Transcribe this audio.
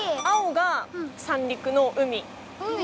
青が三陸の海。